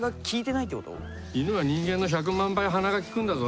犬は人間の１００万倍鼻が利くんだぞ。